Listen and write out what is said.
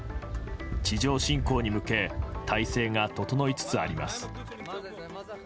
地上侵攻に向け体制が整いつつあります。